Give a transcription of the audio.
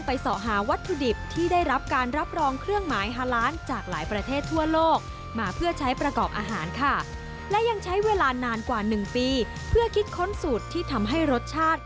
พร้อมใช้เวลานานกว่า๑ปีเพื่อคิดค้นสูตรที่ทำให้รสชาติ